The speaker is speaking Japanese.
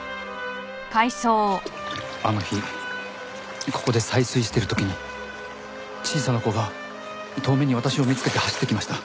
あの日ここで採水してる時に小さな子が遠目に私を見つけて走ってきました。